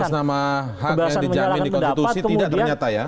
atas nama hak yang dijamin di konstitusi tidak ternyata ya